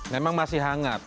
memang masih hangat